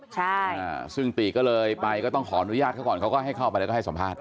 ใช่ซึ่งติก็เลยไปก็ต้องขออนุญาตเขาก่อนเขาก็ให้เข้าไปแล้วก็ให้สัมภาษณ